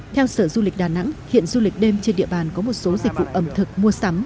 theo sở du lịch đà nẵng hiện du lịch đêm trên địa bàn có một số dịch vụ ẩm thực mua sắm